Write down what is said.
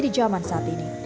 di zaman saat ini